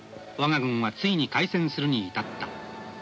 我が軍はついに開戦するに至った。